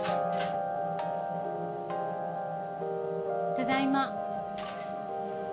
ただいま。